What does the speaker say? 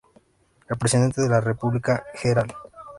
El presidente de la República, Gral.